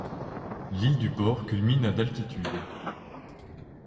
L'île du Port culmine à d'altitude.